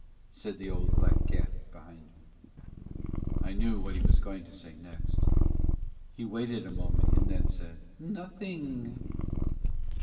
said the old black cat behind me. I knew what he was going to say next. He waited a moment and then said, "Nothing."